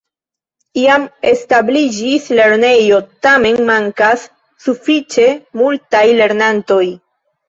Iam establiĝis lernejo, tamen mankas sufiĉe multaj lernantoj.